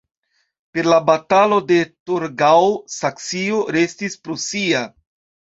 Per la Batalo de Torgau Saksio restis prusia.